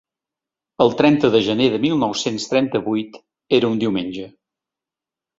El trenta de gener de mil nou-cents trenta-vuit era un diumenge.